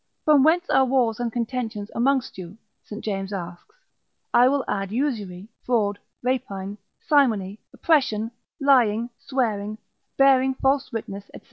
From whence are wars and contentions amongst you? St. James asks: I will add usury, fraud, rapine, simony, oppression, lying, swearing, bearing false witness, &c.